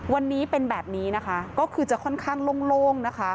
วันนี้เป็นแบบนี้ก็คือจะค่อนข้างโล่ง